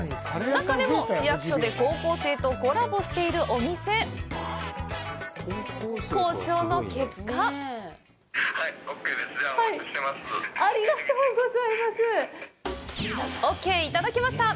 中でも市役所で高校生とコラボしているお店交渉の結果オーケーいただけました！